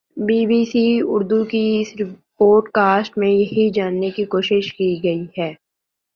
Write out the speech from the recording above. be B C Urdu کی اس podcast میں یہی جاننے کی کوشش کی گئی ہے